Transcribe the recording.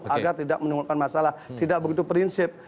agar tidak menimbulkan masalah tidak begitu prinsip